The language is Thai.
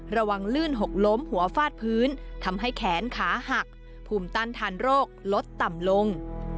ลื่นหกล้มหัวฟาดพื้นทำให้แขนขาหักภูมิต้านทานโรคลดต่ำลง